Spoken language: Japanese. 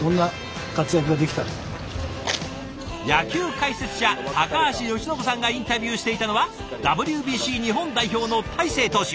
野球解説者高橋由伸さんがインタビューしていたのはＷＢＣ日本代表の大勢投手。